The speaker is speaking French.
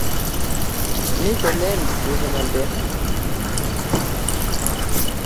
Mais elle aime le jeune Albert.